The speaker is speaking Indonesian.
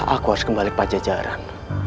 aku harus kembali ke pajajaran